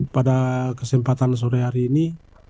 pada kesempatan sore hari ini